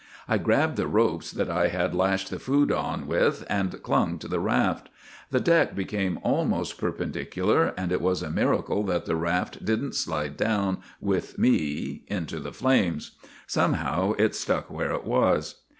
I grabbed the ropes that I had lashed the food on with and clung to the raft. The deck became almost perpen dicular, and it was a miracle that the raft didn't slide down with me into the flames. Somehow it stuck where it was.